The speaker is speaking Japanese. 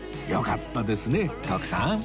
よかったですね徳さん